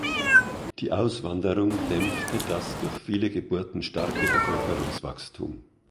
Die Auswanderung dämpfte das durch viele Geburten starke Bevölkerungswachstum.